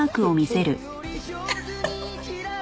アハハハ。